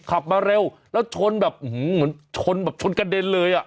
ขับมาเร็วแล้วชนแบบเหมือนชนแบบชนกระเด็นเลยอ่ะ